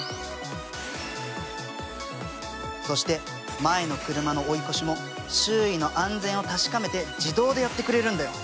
そして前の車の追い越しも周囲の安全を確かめて自動でやってくれるんだよ。